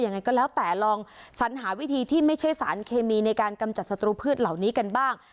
ยังไงก็แล้วแต่ลองสัญหาวิธีที่ไม่ใช่สารเคมีในการกำจัดศัตรูพืชเหล่านี้กันบ้าง